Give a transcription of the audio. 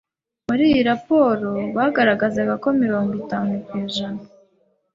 Muri iyo raporo bagaragaza ko mirongo itanu kwijana